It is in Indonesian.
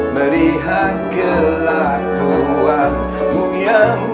melihat gelakuanmu yang membuatku bingung